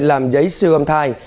làm giấy siêu âm thai